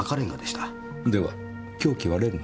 では凶器はレンガ？